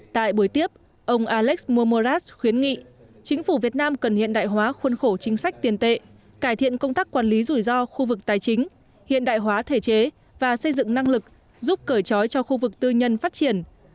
tại buổi tiếp ông alex momorat khuyến nghị chính phủ việt nam cần hiện đại hóa khuân khổ chính sách tiền tệ cải thiện công tác quản lý rủi ro khu vực tài chính hiện đại hóa thể chế và xây dựng năng lực giúp cởi trói cho khu vực tư nhân phát triển